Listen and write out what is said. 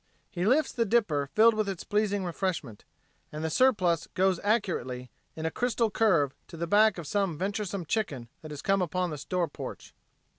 he lifts the dipper filled with its pleasing refreshment and the surplus goes accurately, in a crystal curve, to the back of some venturesome chicken that has come upon the store porch.